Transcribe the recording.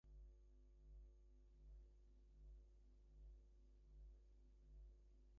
Woolley now operates The Players Group Hockey, a player agency based in Birmingham, Michigan.